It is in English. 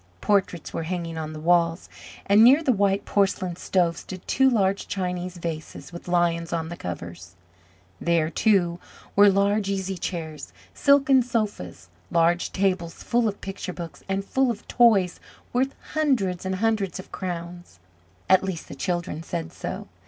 Portraits were hanging on the walls, and near the white porcelain stove stood two large Chinese vases with lions on the covers. There, too, were large easy chairs, silken sofas, large tables full of picture books, and full of toys worth hundreds and hundreds of crowns at least the children said so.